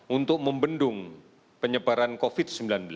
untuk membendung penyebaran covid sembilan belas